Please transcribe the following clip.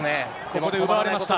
ここで奪われました。